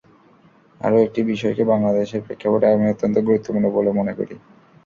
আরও একটি বিষয়কে বাংলাদেশের প্রেক্ষাপটে আমি অত্যন্ত গুরুত্বপূর্ণ বলে মনে করি।